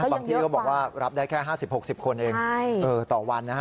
บางที่ก็บอกว่ารับได้แค่๕๐๖๐คนเองต่อวัน